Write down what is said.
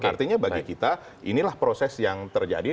artinya bagi kita inilah proses yang terjadi